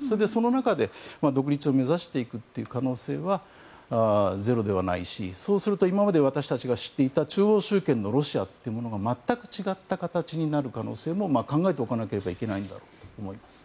それでその中で独立を目指していく可能性はゼロではないしそうすると今まで私たちが知っていた中央集権のロシアというのが全く違った形になる可能性も考えておかなければいけないんだろうと思います。